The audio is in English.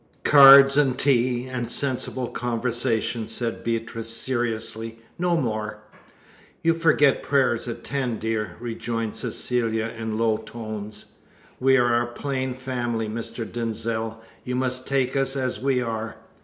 "Cards and tea, and sensible conversation," said Beatrice seriously, "no more." "You forget prayers at ten, dear," rejoined Cecilia in low tones. "We are a plain family, Mr. Denzil. You must take us as we are."